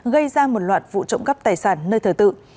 gây ra một loạt vụ trộm cắp tài sản nơi thờ tự